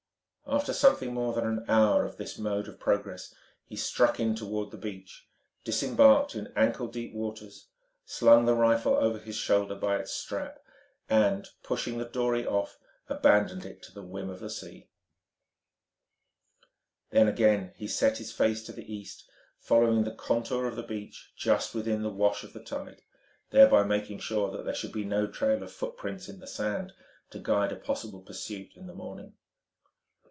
After something more than an hour of this mode of progress, he struck in toward the beach, disembarked in ankle deep waters, slung the rifle over his shoulder by its strap and, pushing the dory off, abandoned it to the whim of the sea. Then again he set his face to the east, following the contour of the beach just within the wash of the tide: thereby making sure that there should be no trail of footprints in the sand to guide a possible pursuit in the morning.